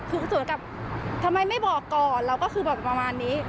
คือสวนกับทำไมไม่บอกก่อนเราก็คือบอกประมาณนี้